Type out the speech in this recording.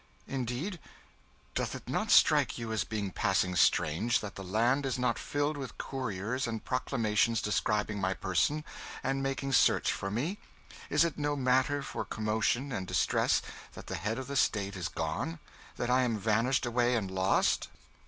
"Indeed? Doth it not strike you as being passing strange that the land is not filled with couriers and proclamations describing my person and making search for me? Is it no matter for commotion and distress that the Head of the State is gone; that I am vanished away and lost?"